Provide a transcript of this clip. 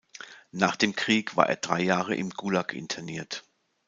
Nach dem Krieg war er drei Jahre im Gulag interniert.